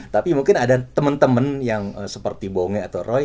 tapi mungkin ada temen temen yang seperti bongge atau roy